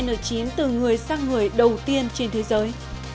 ca lây nhiễm h bảy n chín từ người sang người đầu tiên trên thế giới